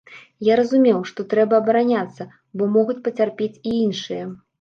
Я разумеў, што трэба абараняцца, бо могуць пацярпець і іншыя.